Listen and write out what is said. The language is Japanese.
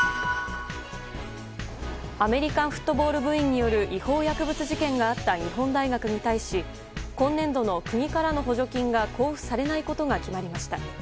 アメリカンフットボール部員による違法薬物事件があった日本大学に対し今年度の国からの補助金が交付されないことが決まりました。